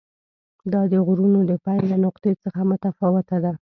دا د غرونو د پیل له نقطې څخه متفاوته ده.